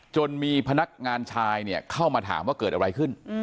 จนมีพนักงานชายเนี่ยเข้ามาถามว่าเกิดอะไรขึ้น